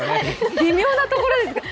微妙なところですね。